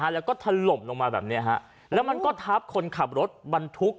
และแสะลงมาและมันก็ทับคนขับรถบรรทุก